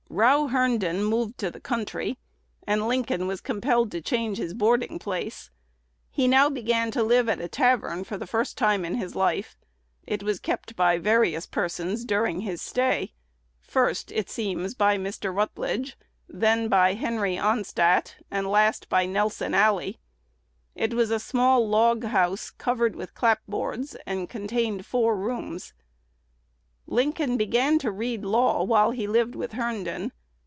Row Herndon moved to the country, and Lincoln was compelled to change his boarding place. He now began to live at a tavern for the first time in his life. It was kept by various persons during his stay, first, it seems, by Mr. Rutledge, then by Henry Onstatt, and last by Nelson Alley. It was a small log house, covered with clapboards, and contained four rooms. Lincoln began to read law while he lived with Herndon.